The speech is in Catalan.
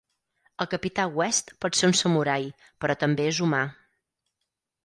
El capità West pot ser un samurai, però també és humà.